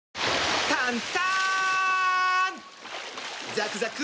ザクザク！